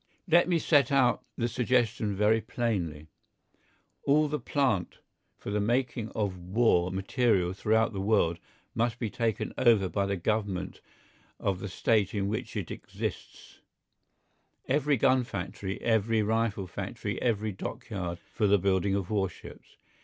Let me set out the suggestion very plainly. All the plant for the making of war material throughout the world must be taken over by the Government of the State in which it exists; every gun factory, every rifle factory, every dockyard for the building of warships.